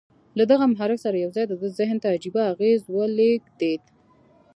له دغه محرک سره یو ځای د ده ذهن ته عجيبه اغېز ولېږدېد